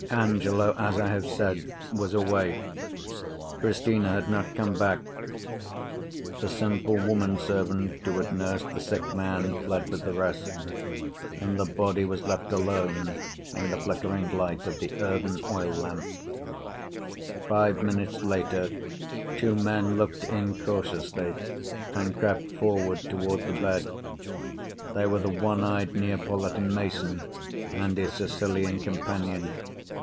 Angelo, as I have said, was away, Cristina had not come back the simple woman servant who had nursed the sick man fled with the rest, and the body was left alone in the flickering light of the earthen oil lamp. Five minutes later two men looked in cautiously and crept forward toward the bed. They were the one eyed Neapolitan mason and his Sicilian companion.